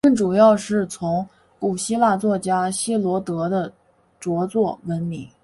他们主要是从古希腊作家希罗多德的着作闻名。